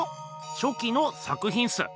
初期の作品っす。